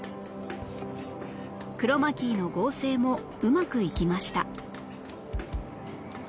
クロマキーの合成もうまくいきました